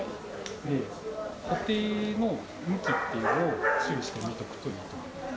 で、保定の向きっていうのを注意して見ておくといいと思う。